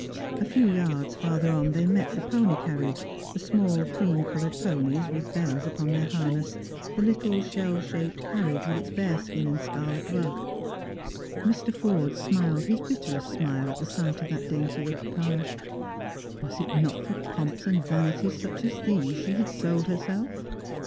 A few yards farther on they met the pony carringe, the small cream coloured ponies with bells upon their harness, the little shell shaped carriage with its bearskin and scarlet rug. Mr. Forde smiled his bitterest smile at the sight of that dainty equipage. Was it not for pomps and vanities such as these she had sold herself?